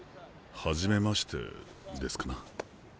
初めましてですかな？